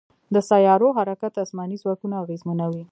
د سیارو حرکت اسماني ځواکونه اغېزمنوي.